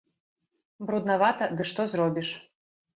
Бруднавата, ды што зробіш?